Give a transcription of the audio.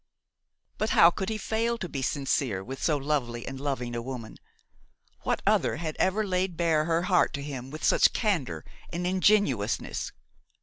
But how could he fail to be sincere with so lovely and loving a woman? What other had ever laid bare her heart to him with such candor and ingenuousness?